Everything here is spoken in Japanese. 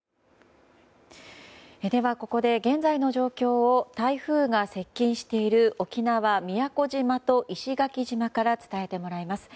では、ここで現在の状況を台風が接近している沖縄・宮古島と石垣島から伝えてもらいます。